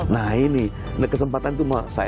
nah ini kesempatan itu saya